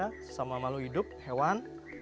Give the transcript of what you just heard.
sesama makhluk hidup hewan